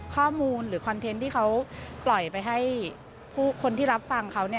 ข้อมูลหรือคอนเทนต์ที่เขาปล่อยไปให้ผู้คนที่รับฟังเขา